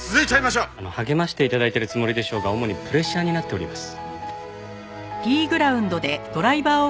励まして頂いているつもりでしょうが主にプレッシャーになっております。